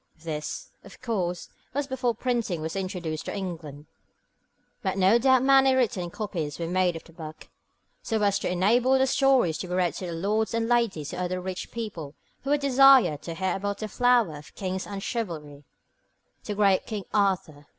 This, of course, was before printing was introduced into England, but no doubt many written copies were made of the book, so as to enable the stories to be read to the lords and ladies and other rich people who would desire to hear about the flower of kings and chivalry, the great King Arthur.